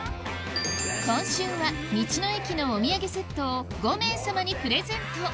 今週は道の駅のお土産セットを５名様にプレゼント